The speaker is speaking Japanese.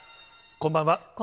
こんばんは。